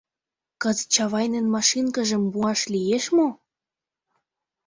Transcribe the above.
Кызыт Чавайнын машинкыжым муаш лиеш мо?